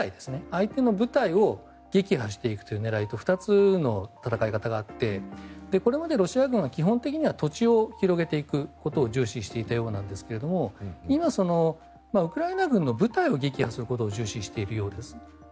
相手の部隊を撃破していく狙いと２つの戦い方があってこれまでロシア軍は基本的には土地を広げていくことを重視していたようなんですが今、ウクライナ軍の部隊を撃破することを重視しているようです。